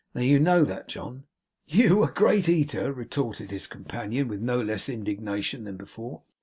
Now, you know that, John.' 'You a great eater!' retorted his companion, with no less indignation than before.